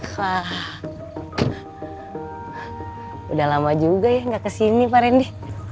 wah udah lama juga ya gak kesini pak rendy